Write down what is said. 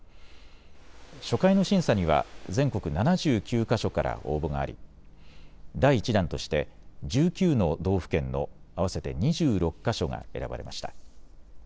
初回の審査には全国７９か所から応募があり第１弾として１９の道府県の合わせて２６か所が選ばれました。